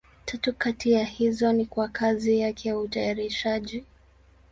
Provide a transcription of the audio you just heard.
Tatu kati ya hizo ni kwa kazi yake ya utayarishaji.